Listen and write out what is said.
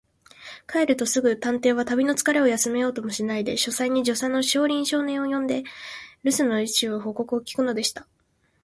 帰るとすぐ、探偵は旅のつかれを休めようともしないで、書斎に助手の小林少年を呼んで、るす中の報告を聞くのでした。